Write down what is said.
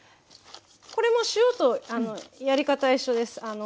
これも塩とやり方は一緒です。